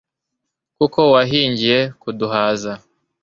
kuko wahingiye kuduhaza